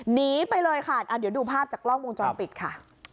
หนีไปเลยค่ะเดี๋ยวดูภาพจากกล้องวงจรปิดค่ะ